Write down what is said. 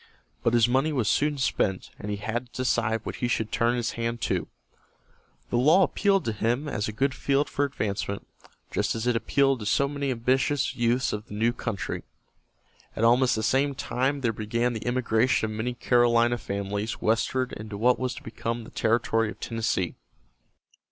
But his money was soon spent, and he had to decide what he should turn his hand to. The law appealed to him as a good field for advancement, just as it appealed to so many ambitious youths of the new country. At almost the same time there began the emigration of many Carolina families westward into what was to become the territory of Tennessee.